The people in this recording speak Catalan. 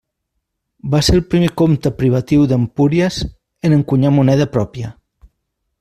Va ser el primer comte privatiu d'Empúries en encunyar moneda pròpia.